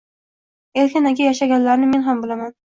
Erkin aka yashaganlarini men ham bilaman.